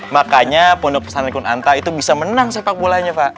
makanya pondok pesantren anta itu bisa menang sepak bolanya pak